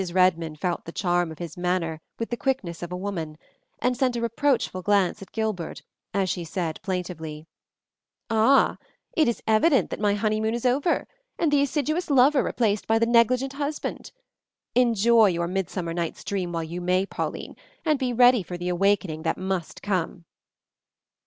Redmond felt the charm of his manner with the quickness of a woman, and sent a reproachful glance at Gilbert as she said plaintively, "Ah! It is evident that my honeymoon is over, and the assiduous lover replaced by the negligent husband. Enjoy your midsummer night's dream while you may, Pauline, and be ready for the awakening that must come."